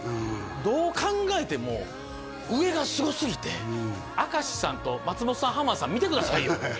どう考えても上がすごすぎて明石さんと松本さん浜田さん見てくださいよ